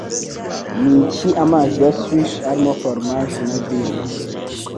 Niki Amazi ya Swish arimo foromaje na vino